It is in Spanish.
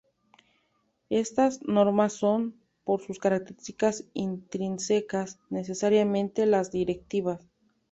Estas normas son, por sus características intrínsecas, necesariamente las directivas.